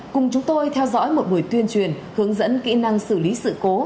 cùng chúng tôi theo dõi một buổi tuyên truyền hướng dẫn kỹ năng xử lý sự cố